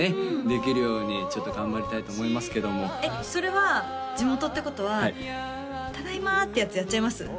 できるようにちょっと頑張りたいと思いますけどもそれは地元ってことは「ただいま」ってやつやっちゃいます？